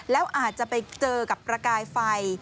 แล้วอาจจะไปเจอกับประกายไฟ